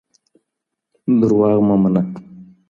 دروغ مه منه.